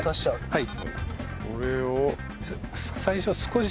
はい。